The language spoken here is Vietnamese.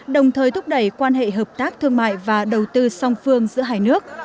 đồng thời thúc đẩy quan hệ hợp tác thương mại và đầu tư song phương giữa hai nước